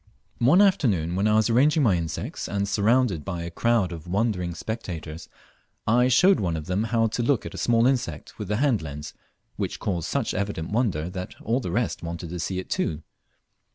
One afternoon when I was arranging my insects, and surrounded by a crowd of wondering spectators, I showed one of them how to look at a small insect with a hand lens, which caused such evident wonder that all the rest wanted to see it too.